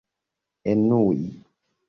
enui